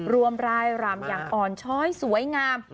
ร่ายรำอย่างอ่อนช้อยสวยงาม